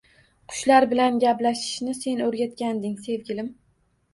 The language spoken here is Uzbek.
Qushlar bilan gaplashishni sen o’rgatganding sevgilim.